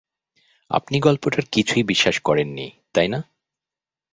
আপনি গল্পটার কিছুই বিশ্বাস করেন নি, তাই না?